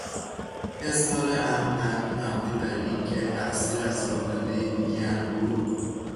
اظهار احمد مبنی براینکه تقصیر از رانندهی دیگر بود